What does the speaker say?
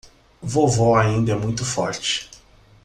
Vovó ainda é muito forte